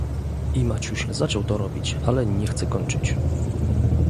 "I Maciuś zaczął to robić, ale nie chce kończyć."